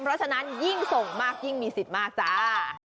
เพราะฉะนั้นยิ่งส่งมากยิ่งมีสิทธิ์มากจ้า